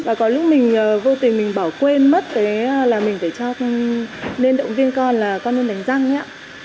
và có lúc mình vô tình bỏ quên mất là mình nên động viên con là con nên đánh răng nhé